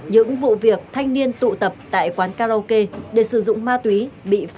những vụ việc thanh niên tụ tập tại quán karaoke để sử dụng ma túy bị phá vỡ